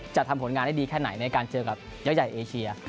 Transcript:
จะทำผลงานได้ดีแค่ไหนในการเจอกับย่อยใหญ่เอเชีย